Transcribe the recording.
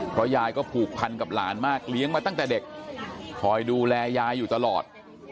เพราะยายก็ผูกพันกับหลานมากเลี้ยงมาตั้งแต่เด็กคอยดูแลยายอยู่ตลอด